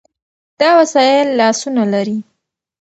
دا وسایل لاسونه لري.